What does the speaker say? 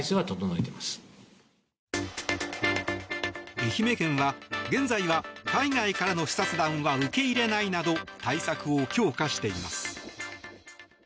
愛媛県は現在は海外からの視察団は受け入れないなど対策を強化しています。